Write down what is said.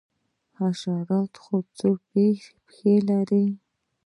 حشرات څو پښې لري؟